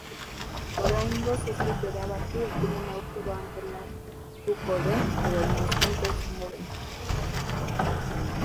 Oraingoz ez dute erabaki ekimena urtero antolatuko den edo noizbehinka izango den.